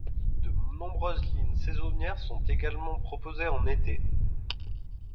De nombreuses lignes saisonnières sont également proposées en été.